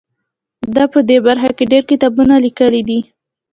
ده په دې برخه کې ډیر کتابونه لیکلي دي.